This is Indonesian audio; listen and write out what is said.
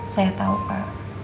saya tau pak